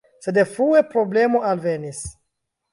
Sed frue problemo alvenis.